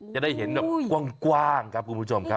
จะได้เห็นแบบกว้างครับคุณผู้ชมครับ